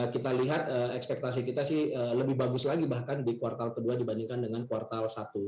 kita lihat ekspektasi kita sih lebih bagus lagi bahkan di kuartal kedua dibandingkan dengan kuartal satu